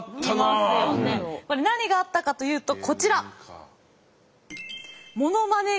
これ何があったかというとこちら。